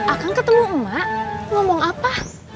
akan ketemu emak ngomong apa